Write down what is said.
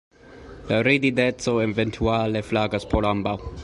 La ridindeco, eventuale, flagas por ambaŭ.